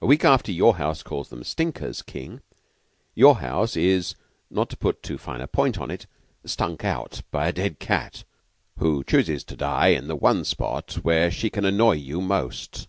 A week after your house calls them 'stinkers,' King, your house is, not to put too fine a point on it, stunk out by a dead cat who chooses to die in the one spot where she can annoy you most.